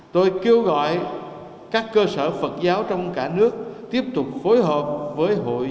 tôi kêu gọi các cơ sở phật giáo trong cả nước tiếp tục phối hợp với hội chủ tướng